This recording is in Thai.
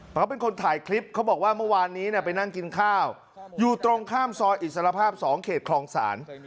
เขาเป็นคนถ่ายคลิปเขาบอกว่าเมื่อวานนี้ไปนั่งกินข้าวอยู่ตรงข้ามซอยอิสรภาพ๒เขตคลองศาล